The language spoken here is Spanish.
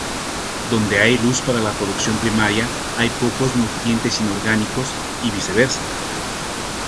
Donde hay luz para la producción primaria hay pocos nutrientes inorgánicos, y viceversa.